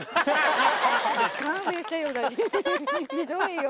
ひどいよ。